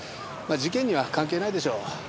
まあ事件には関係ないでしょう。